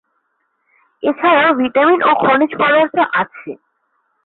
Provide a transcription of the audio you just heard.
এছাড়াও ভিটামিন ও খনিজ পদার্থ আছে।